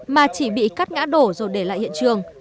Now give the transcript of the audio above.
mà chỉ bị cắt ngã đổ rồi để lại hiện trường